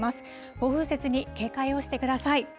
暴風雪に警戒をしてください。